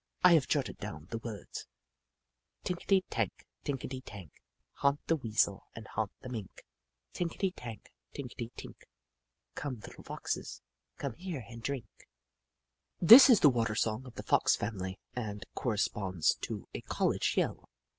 I have jotted down the words :" Tinkety tank, tinkety tink, Haunt of the Weasel and haunt of the Mink; 1 56 The Book of Clever Beasts Tinkety tank, tinkety tink, Come little Foxes, come here and drink." This is the water song of the Fox family and corresponds to a college yell.